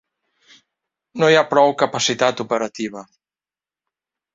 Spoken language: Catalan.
No hi ha prou capacitat operativa.